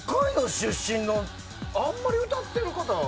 あんまり歌ってる方は。